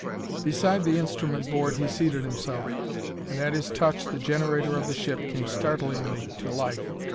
Beside the instrument board he seated himself, and at his touch the generator of the ship came startlingly to life.